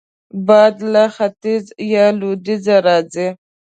باد له ختیځ یا لوېدیځه راځي